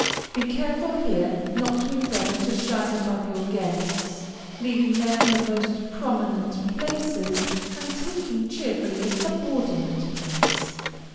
Be careful here not to endeavor to shine above your guests, leaving to them the most prominent places, and taking, cheerfully, a subordinate place.